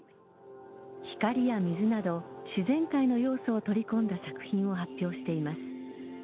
光や水など、自然界の要素を取り込んだ作品を発表しています。